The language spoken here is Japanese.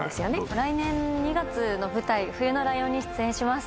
来年２月の舞台『冬のライオン』に出演します。